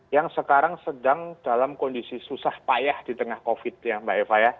yang sekarang sedang dalam kondisi susah payah di tengah covid ya mbak eva ya